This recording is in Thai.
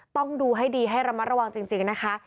ต้องดูให้ดีให้ระมัดระวังจริงนะคะ